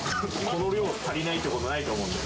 この量、足りないってことないと思うんで。